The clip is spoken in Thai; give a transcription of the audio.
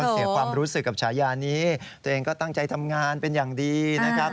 ตัวเองก็ตั้งใจทำงานเป็นอย่างดีนะครับ